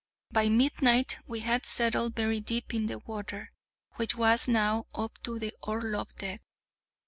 By midnight we had settled very deep in the water, which was now up to the orlop deck.